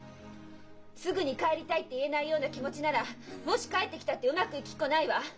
すぐに「帰りたい」って言えないような気持ちならもし帰ってきたってうまくいきっこないわ！